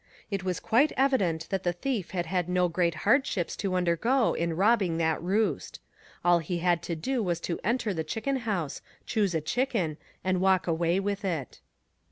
It was quite evident that the thief had had no great hardships to undergo in robbing that roost. All he had to do was to enter the chicken house, choose a chicken, and walk away with it.